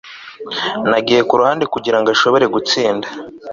Nagiye ku ruhande kugira ngo ashobore gutsinda